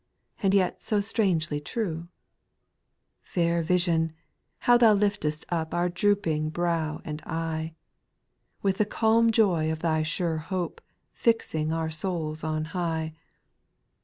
And yet so strangely true I 3. Fair vision ! how thou liftest up Our drooping brow and eye ; With the calm joy of thy sure hope, Fixing our souls on high.